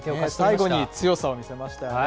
最後に強さを見せましたよね。